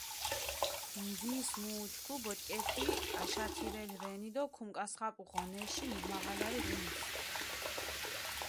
ნდის მუ უჩქუ ბოჭკეფი აშათირელი რენი დო ქუმკასხაპუ ღონეში მიდმაღალარი ღვინს.